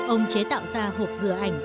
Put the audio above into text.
ông chế tạo ra hộp dừa ảnh